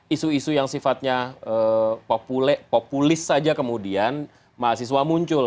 isu isu yang sifatnya populis saja kemudian mahasiswa muncul